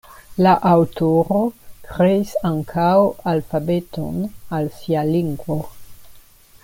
La aŭtoro kreis ankaŭ alfabeton al sia "lingvo".